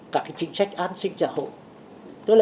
các cái chính sách an sinh xã hội